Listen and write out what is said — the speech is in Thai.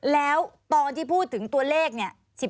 แล้วตอนที่พูดถึงตัวเลขเนี่ย